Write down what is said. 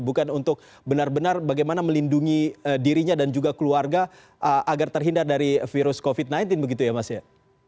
bukan untuk benar benar bagaimana melindungi dirinya dan juga keluarga agar terhindar dari virus covid sembilan belas begitu ya mas ya